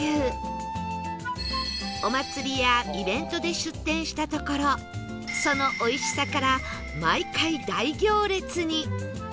お祭りやイベントで出店したところそのおいしさから毎回大行列に